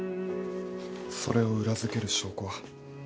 それを裏付ける証拠は？